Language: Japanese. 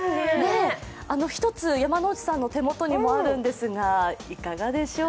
１つ、山内さんの手元にもあるんですが、いかがでしょう。